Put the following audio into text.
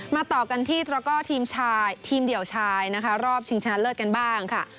มาต่อกันที่ตระก้อทีมชายทีมเดี่ยวชายรอบชิงชนะเลิศกันบ้างค่ะ